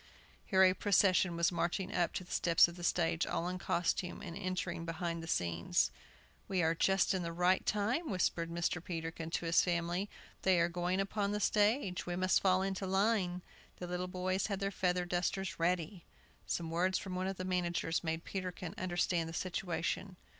Here a procession was marching up the steps of the stage, all in costume, and entering behind the scenes. "We are just in the right time," whispered Mr. Peterkin to his family; "they are going upon the stage; we must fall into line." The little boys had their feather dusters ready. Some words from one of the managers made Peterkin understand the situation.